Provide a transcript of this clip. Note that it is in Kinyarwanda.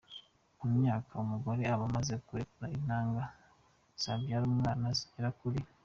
Ku myaka ,umugore aba amaze kurekura intanga zabyara umwana zigera kuri .